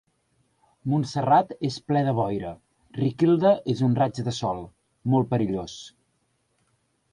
Montserrat és ple de boira: Riquilda és un raig de sol. Molt perillós...